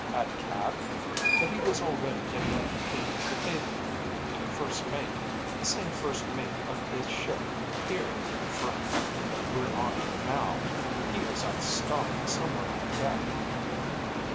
At Cat? But he was already getting up to leave the table. And the first mate, the same first mate of this ship here, friend, that we're on now, he was out stomping somewhere on deck.